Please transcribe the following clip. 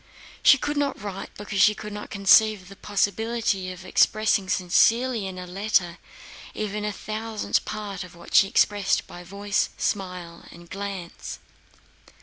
She could not write, because she could not conceive the possibility of expressing sincerely in a letter even a thousandth part of what she expressed by voice, smile, and glance.